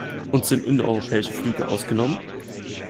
Und sind innereuropäische Flüge ausgenommen?